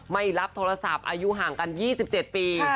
ไม่รับโทรศัพท์อายุห่างกัน๒๗ปี